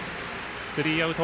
スリーアウト。